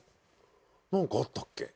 なんかあったっけ？